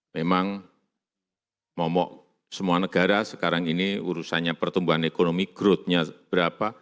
memang momok semua negara sekarang ini urusannya pertumbuhan ekonomi growth nya berapa